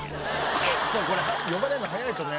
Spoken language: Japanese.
今日これ呼ばれるの早いですよね。